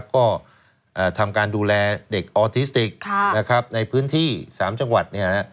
ก็ทำการดูแลเด็กออทิสติกในพื้นที่๓จังหวัด